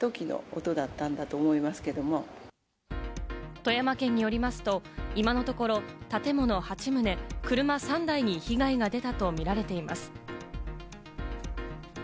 富山県によりますと、今のところ建物８棟、車３台に被害が出たと見られています。